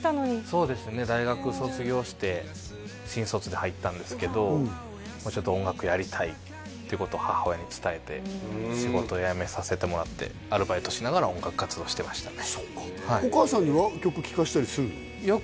そうですね大学卒業して新卒で入ったんですけどもうちょっと音楽やりたいっていうことを母親に伝えて仕事辞めさせてもらってアルバイトしながら音楽活動してましたね